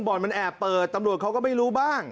บ่อนมันแอบเปิดตำรวจเขาก็ไม่รู้บ้าง